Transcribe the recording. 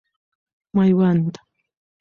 میوند